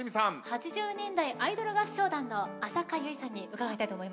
８０年代アイドル合唱団の浅香唯さんに伺いたいと思います。